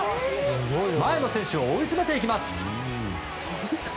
前の選手を追い詰めていきます。